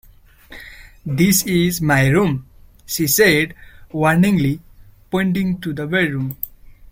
"This is my room," she said warningly, pointing to the bedroom.